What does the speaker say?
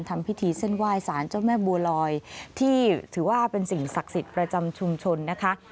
ทำพิธีเส้นไหว้สารเจ้าแม่บัวลอยที่ถือว่าเป็นสิ่งศักดิ์สิทธิ์ประจำชุมชนนะคะ